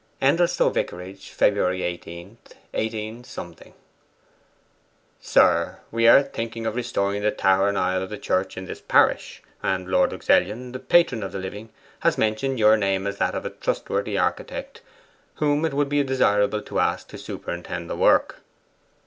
'ENDELSTOW VICARAGE, Feb. 18, 18 . 'SIR, We are thinking of restoring the tower and aisle of the church in this parish; and Lord Luxellian, the patron of the living, has mentioned your name as that of a trustworthy architect whom it would be desirable to ask to superintend the work.